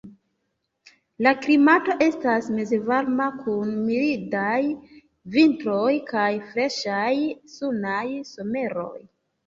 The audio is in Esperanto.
La klimato estas mezvarma kun mildaj vintroj kaj freŝaj, sunaj someroj.